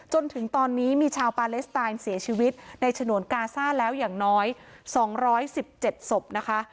จนถึงตอนนี้มีชาวปาเลสไตน์เสียชีวิตในฉนวนกาซ่าแล้วอย่างน้อย๒๑๗ศพนะคะ